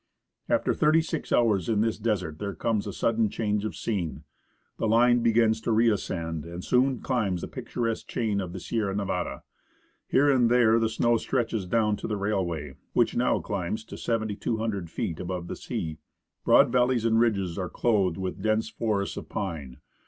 After thirty six hours in this desert, there comes a sudden change of scene. The line begins to re ascend, and soon climbs the picturesque chain of the Sierra Nevada. Here and there the snow stretches down to the railway, which now climbs to 7,200 feet above the sea. Broad valleys and ridges are clothed with dense forests of pine.